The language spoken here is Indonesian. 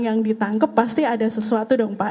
yang ditangkep pasti ada sesuatu dong pak